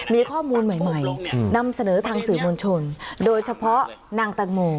มีข้อมูลใหม่นำเสนอทางสื่อมวลชนโดยเฉพาะนางแตงโม